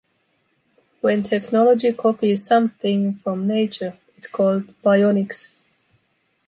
When technology copies something from nature, it's called bionics.